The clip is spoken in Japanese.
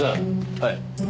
はい。